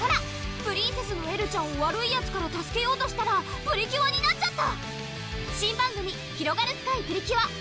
プリンセスのエルちゃんを悪いヤツから助けようとしたらプリキュアになっちゃった！